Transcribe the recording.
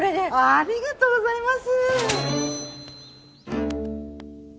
ありがとうございます。